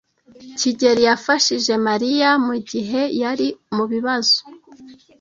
kigeli yafashije Mariya mugihe yari mubibazo.